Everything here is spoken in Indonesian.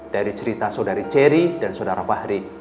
dari cerita saudari ceri dan saudara fahri